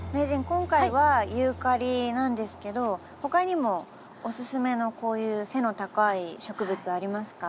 今回はユーカリなんですけど他にもおすすめのこういう背の高い植物ありますか？